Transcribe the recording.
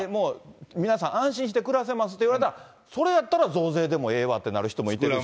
皆さん、安心して暮らせますって言われたら、それだったら増税でもええわってなる人もいるし。